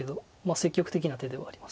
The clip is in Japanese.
積極的な手ではあります。